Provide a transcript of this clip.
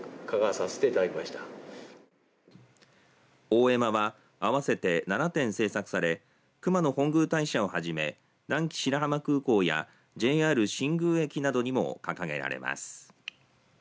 大絵馬は合わせて７点製作され熊野本宮大社をはじめ南紀白浜空港やＪＲ新宮駅などにも掲げられます。